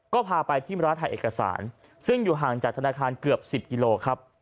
ก็พาไปที่ร้านถ่ายเอกสารซึ่งอยู่ห่างจากธนาคารเกือบ๑๐กิโลครับ